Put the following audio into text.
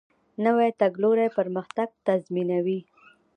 نوی تګلوری پرمختګ تضمینوي